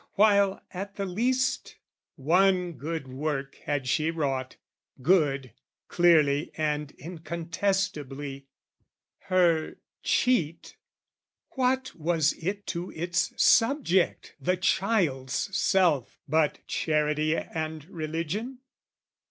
While at the least one good work had she wrought, Good, clearly and incontestably! Her cheat What was it to its subject, the child's self, But charity and religion?